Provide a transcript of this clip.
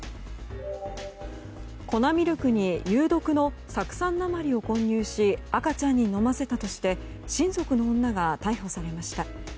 粉ミルクに有毒の酢酸鉛を混入し赤ちゃんに飲ませたとして親族の女が逮捕されました。